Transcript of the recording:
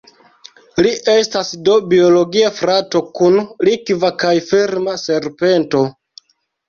Li estas do "biologie" frato kun Likva kaj Firma serpento.